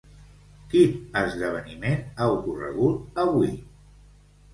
Quin esdeveniment ha ocorregut avui?